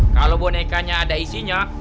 kalau bonekanya ada isinya